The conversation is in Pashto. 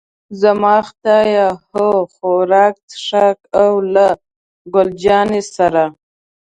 زما خدایه، هو، خوراک، څښاک او له ګل جانې سره.